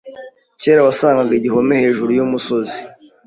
Kera wasangaga igihome hejuru yumusozi.